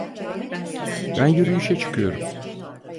Ben yürüyüşe çıkıyorum.